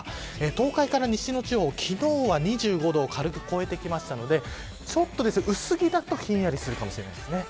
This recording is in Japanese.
東海から西の地方、昨日は２５度を軽く超えてきましたのでちょっと薄着だとひんやりするかもしれません。